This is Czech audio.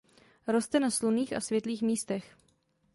Roste na slunných a světlých místech.